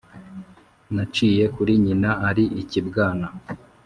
Naciye kuri nyina ari ikibwana